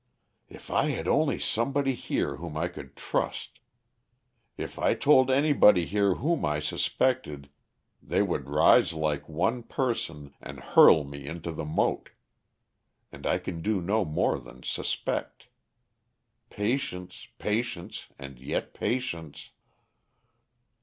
"If I had only somebody here whom I could trust! If I told anybody here whom I suspected they would rise like one person, and hurl me into the moat. And I can do no more than suspect. Patience, patience, and yet patience."